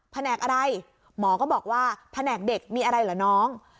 แผนกอะไรหมอก็บอกว่าแผนกเด็กมีอะไรเหรอน้อง